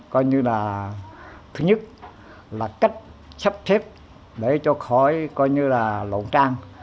coi như là thứ nhất là cách sắp xếp để cho khỏi coi như là lộn trang